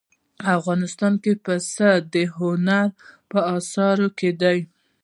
افغانستان کې پسه د هنر په اثار کې دي.